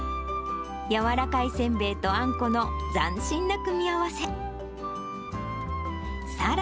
柔らかいせんべいとあんこの斬新な組み合わせ。